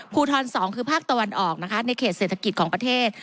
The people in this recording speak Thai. ภูทร๒คือภาคตะวันออกนะคะในเขตเศรษฐกิจของประเทศ